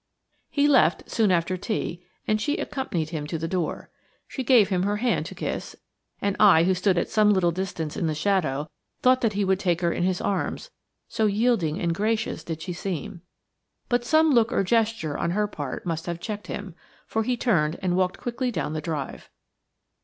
He left soon after tea, and she accompanied him to the door. She gave him her hand to kiss, and I, who stood at some little distance in the shadow, thought that he would take her in his arms, so yielding and gracious did she seem. But some look or gesture on her part must have checked him, for he turned and walked quickly down the drive.